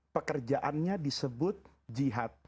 pekerjaannya disebut jihad